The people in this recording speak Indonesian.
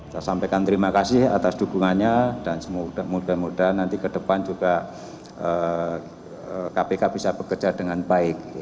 saya sampaikan terima kasih atas dukungannya dan semoga mudah mudahan nanti ke depan juga kpk bisa bekerja dengan baik